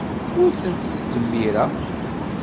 Ur tent-ttdemmireɣ.